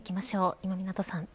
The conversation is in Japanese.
今湊さん。